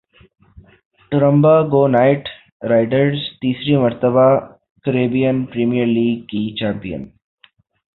Trinbago Knight riders تیسری مرتبہ Caribbean premier league کی چیمپیئن